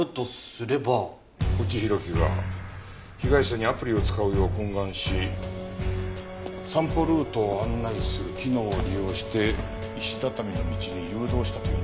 越智弘基が被害者にアプリを使うよう懇願し散歩ルートを案内する機能を利用して石畳の道に誘導したというのか。